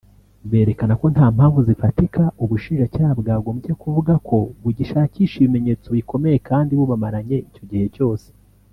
bakerekana ko nta mpamvu zifatika Ubushinjacyaha bwagombye kuvuga ko bugishakisha ibimenyetso bikomeye kandi bubamaranye icyo gihe cyose